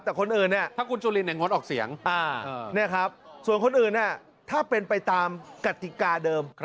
แต่คนอื่นเนี่ยถ้าคุณจุลินงดออกเสียงส่วนคนอื่นถ้าเป็นไปตามกติกาเดิม